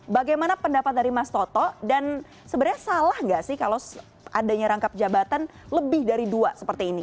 bagaimana pendapat dari mas toto dan sebenarnya salah nggak sih kalau adanya rangkap jabatan lebih dari dua seperti ini